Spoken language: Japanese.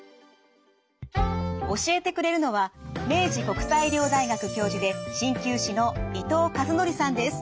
教えてくれるのは明治国際医療大学教授で鍼灸師の伊藤和憲さんです。